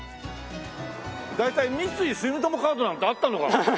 大体「三井住友カード」なんてあったのかな？